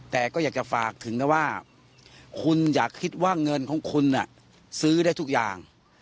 แต่ก็อยากจะฝากถึงนะว่าคุณอย่าคิดว่าเงินของคุณซื้อได้ทุกอย่าง